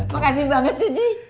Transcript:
makasih banget ji